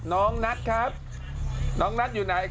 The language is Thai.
น้องนัทครับน้องนัทอยู่ไหน